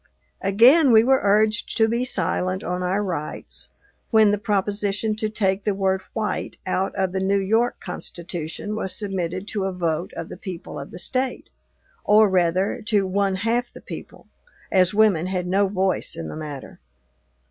Again we were urged to be silent on our rights, when the proposition to take the word "white" out of the New York Constitution was submitted to a vote of the people of the State, or, rather, to one half the people, as women had no voice in the matter.